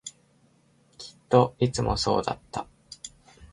きっといつもそうだった